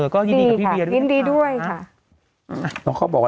ก็ยินดีกับพี่เบียด้วยนะคะค่ะ